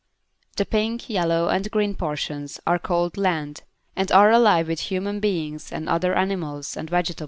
The pink, yellow and green portions are called Land and are alive with human beings and other animals and vegetables.